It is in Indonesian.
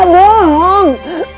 aku tidak bohong